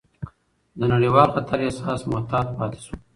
د نړیوال خطر احساس محتاط پاتې شو،